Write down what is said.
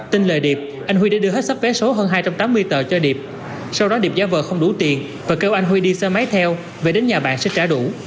tin lời điệp anh huy đã đưa hết sắp vé số hơn hai trăm tám mươi tờ cho điệp sau đó điệp giá vờ không đủ tiền và kêu anh huy đi xe máy theo về đến nhà bạn sẽ trả đủ